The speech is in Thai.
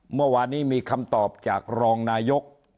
เมื่อวานนี้มีคำตอบจากรองนายก